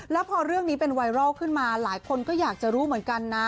แล้วพอเรื่องนี้เป็นไวรัลขึ้นมาหลายคนก็อยากจะรู้เหมือนกันนะ